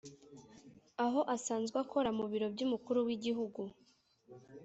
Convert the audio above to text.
aho asanzwe akora mu biro by’Umukuru w’Igihugu